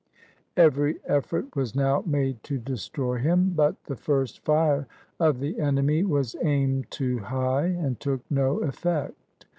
Every effort was now made to destroy him, but the first fire of the enemy was aimed too high and took no effect.